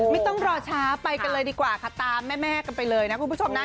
ไม่ต้องรอช้าไปกันเลยดีกว่าค่ะตามแม่กันไปเลยนะคุณผู้ชมนะ